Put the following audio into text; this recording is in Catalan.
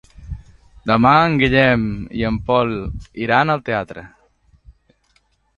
Demà en Guillem i en Pol iran al teatre.